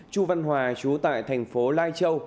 chú văn hòa chú tại thành phố lai châu